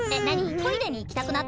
トイレにいきたくなった？